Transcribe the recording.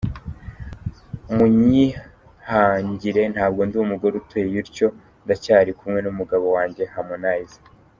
Munyihangire ntabwo ndi umugore uteye utyo, ndacyari kumwe n’umugabo wanjye Harmonize.